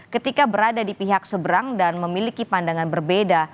ketika berada di pihak seberang dan memiliki pandangan berbeda